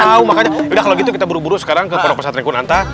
gak tau makanya udah kalau gitu kita buru buru sekarang ke porok pesantren kunanta